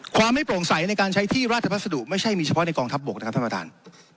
ความไม่โปร่งใสในการใช้ที่ราชพัสดุไม่ใช่มีเฉพาะในกองทัพบกนะครับท่านประธาน